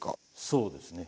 そうですね。